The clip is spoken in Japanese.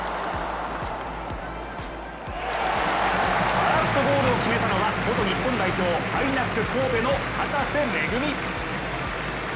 ファーストゴールを決めたのは元日本代表、ＩＮＡＣ神戸の高瀬愛実。